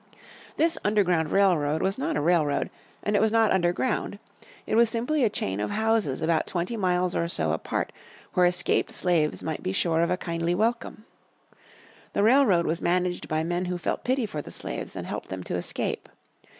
This Underground Railroad was not a railroad, and it was not underground. It was simply a chain of houses about twenty miles or so apart where escaped slaves might be sure of a kindly welcome. The railroad was managed by men who felt pity for the slaves and helped them to escape.